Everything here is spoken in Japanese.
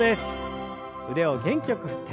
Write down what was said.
腕を元気よく振って。